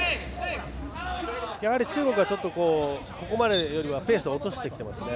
中国がここまでよりはペースを落としてきていますね。